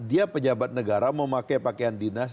dia pejabat negara mau pakai pakaian dinas